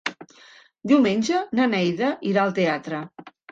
Diumenge na Neida irà al teatre.